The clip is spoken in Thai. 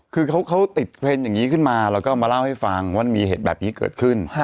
คือเขาติดเทรนด์อย่างนี้ขึ้นมาแล้วก็มาเล่าให้ฟังว่ามีเหตุแบบนี้เกิดขึ้น